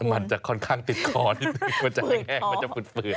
มันจะค่อนข้างติดกอดนิดหนึ่งจะแน็กมันจะฝืด